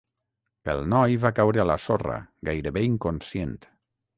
El noi va caure a la sorra, gairebé inconscient.